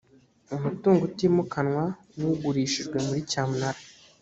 umutungo utimukanwa wugurishijwe muri cyamunara.